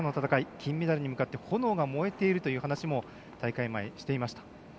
金メダルに向かって炎が燃えているという話も大会前、していました。